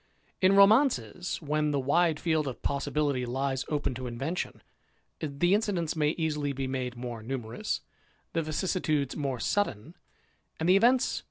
* In romances, when the wide field of possibility lies open to invention, the incidents may easily be made more numerous, the vicissitudes more sudden, and the Q ^tti^iS * Note XXXIII., Appendix. THE IDLER.